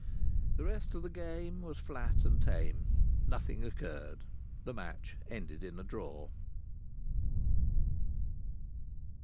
The rest of the game was flat and tame. Nothing occurred. The match ended in a draw.